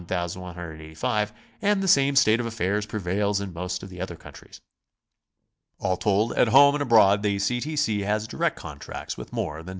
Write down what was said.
with 1,185; and the same state of affairs prevails in most of the other countries. All told, at home and abroad, the C. T. C. has direct contracts with more than 10.